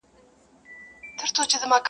نه شرنګی سته د سندرو نه یې زور سته په لنډۍ کي-